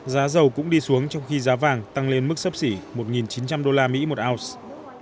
giá dầu cũng đi xuống trong khi giá vàng tăng lên mức sấp xỉ một chín trăm linh usd một ounce